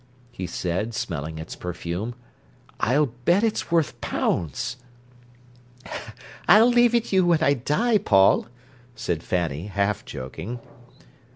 he said, smelling its perfume. "I'll bet it's worth pounds." "I'll leave it you when I die, Paul," said Fanny, half joking.